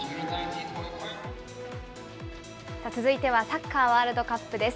続いてはサッカーワールドカップです。